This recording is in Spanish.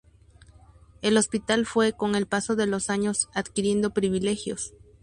El hospital fue con el paso de los años adquiriendo privilegios.